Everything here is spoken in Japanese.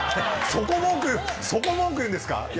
そこ文句言うんですか？